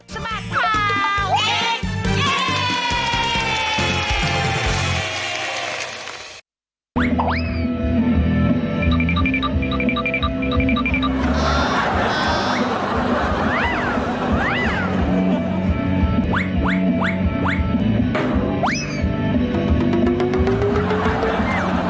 สบัดข่าวเด็ก